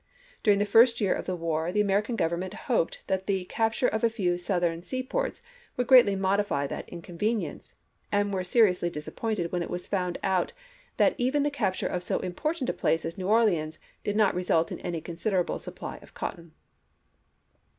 During the first year of the war the American Grovernment hoped that the capture of a few of the Southern seaports would greatly modify that inconvenience, and were seri ously disappointed when it was found that even the capture of so important a place as New Orleans did not result in any considerable supply of cotton.